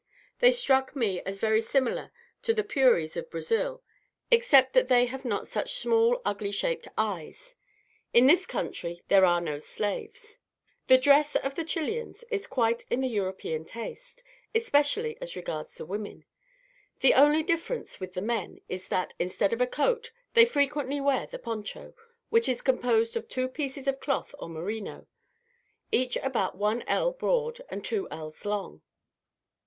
They struck me as very similar to the Puris of Brazil, except that they have not such small ugly shaped eyes. In this country there are no slaves. The dress of the Chilians is quite in the European taste, especially as regards the women. The only difference with the men is that, instead of a coat, they frequently wear the Poncho, which is composed of two pieces of cloth or merino, each about one ell broad and two ells long.